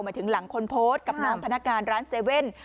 หมายถึงหลังคนโพสต์กับน้องพนักงานร้านเซเว่น